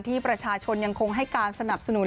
ที่ประชาชนยังคงให้การสนับสนุน